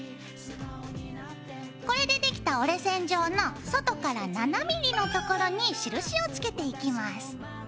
これでできた折れ線上の外から７ｍｍの所に印をつけていきます。